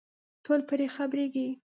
ټول پرې خبرېږي.